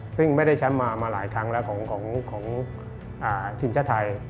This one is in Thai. ซึ่งไม่ได้แชมป์มาหลายครั้งแล้วของทีมชาติไทย